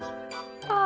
ああ。